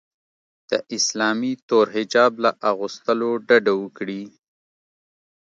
د اسلامي تور حجاب له اغوستلو ډډه وکړي